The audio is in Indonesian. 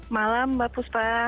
malam mbak puspa